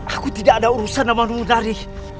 aku tidak ada urusan sama nundari